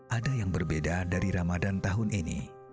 ada yang berbeda dari ramadan tahun ini